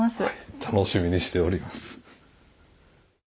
はい楽しみにしております。